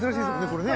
これね。